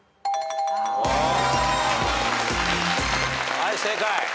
はい正解。